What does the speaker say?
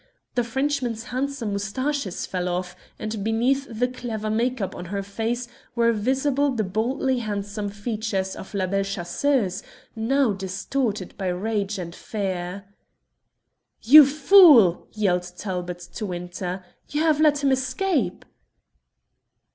The Frenchman's handsome moustaches fell off, and beneath the clever make up on her face were visible the boldly handsome features of La Belle Chasseuse, now distorted by rage and fear. "You fool!" yelled Talbot to Winter. "You have let him escape!"